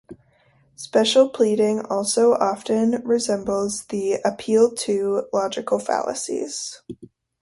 Special pleading also often resembles the "appeal to" logical fallacies.